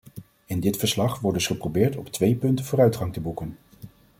In dit verslag wordt dus geprobeerd op twee punten vooruitgang te boeken.